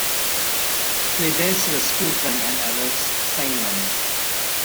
Flidais rescues them and alerts Ceinwen.